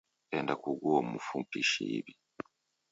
Enda kuguo mfu pishi iw'i